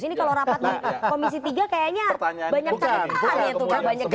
ini kalau rapat komisi tiga kayaknya banyak catetan ya